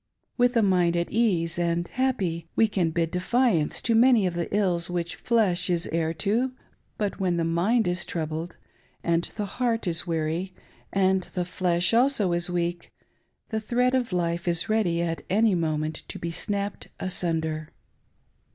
With a mind at ease and happy, we can bid defiance to many of the ills which flesh is heir to, but when the mind is troubled, and the heart is weary, and the flesh also is weak, the thread of life is ready at any moment to be snapped asunder.